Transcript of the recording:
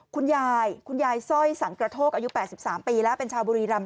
คุณยายคุณยายสร้อยสังกระโทกอายุ๘๓ปีแล้วเป็นชาวบุรีรำ